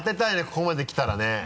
ここまで来たらね。